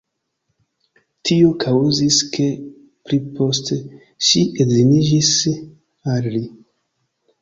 Tio kaŭzis, ke pliposte ŝi edziniĝis al li.